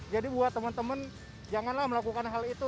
jadi buat temen temen janganlah melakukan hal itu